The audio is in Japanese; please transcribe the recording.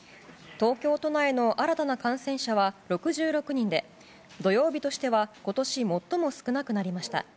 東京都内の新たな感染者は６６人で土曜日としては今年最も少なくなりました。